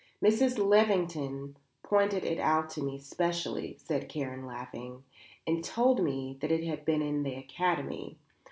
"Mrs. Lavington pointed it out to me specially," said Karen, laughing, "and told me that it had been in the Academy.